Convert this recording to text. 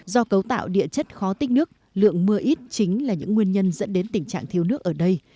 do cấu tạo địa chất khó tích nước lượng mưa ít chính là những nguyên nhân dẫn đến tình trạng thiếu nước ở đây